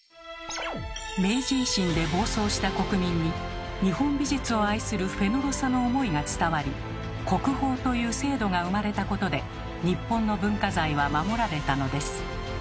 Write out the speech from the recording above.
明治維新で暴走した国民に日本美術を愛するフェノロサの思いが伝わり「国宝」という制度が生まれたことで日本の文化財は守られたのです。